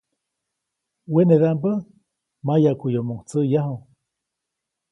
Wenedaʼmbä mayaʼkuyomoʼuŋ tsäʼyaju.